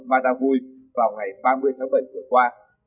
và đà vui vào ngày ba mươi tháng bảy tuổi qua